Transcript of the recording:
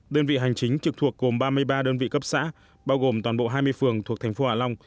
đơn vị hành chính trực thuộc gồm ba mươi ba đơn vị cấp xã bao gồm toàn bộ hai mươi phường thuộc thành phố hạ long